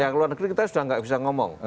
ya yang luar negeri kita sudah tidak bisa ngomong